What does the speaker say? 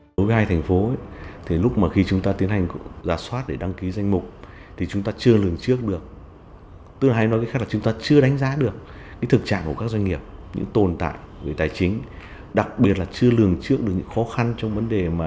nhưng hiện tại hai thành phố lớn vẫn đang ở trong tình trạng trắng doanh nghiệp cổ phần hóa